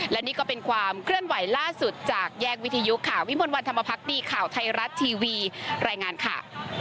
และนี่ก็เป็นความเคลื่อนไหวล่าสุดจากแยกวิทยุค่ะวิมวลวันธรรมพักดีข่าวไทยรัฐทีวีรายงานค่ะ